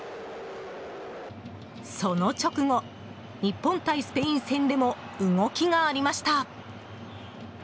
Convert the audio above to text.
その直後、日本対スペイン戦でも動きがありました。